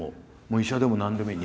医者でも何でもいい。